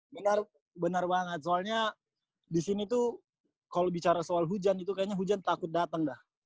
benar benar banget soalnya disini tuh kalo bicara soal hujan itu kayaknya hujan takut dateng dah